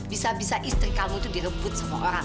bisa bisa istri kamu itu direbutin ya